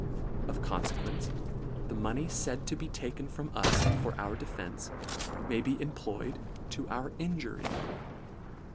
Of confequence, the money faid to be taken from us for our defence, may be em ployed to our injury.